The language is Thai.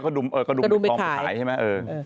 กระดุ่มไปขายใช่มั้ย